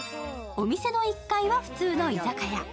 お店の１階は普通の居酒屋。